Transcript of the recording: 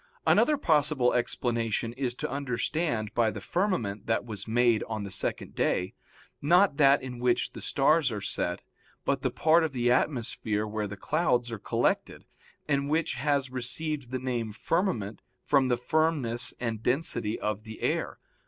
Another possible explanation is to understand by the firmament that was made on the second day, not that in which the stars are set, but the part of the atmosphere where the clouds are collected, and which has received the name firmament from the firmness and density of the air.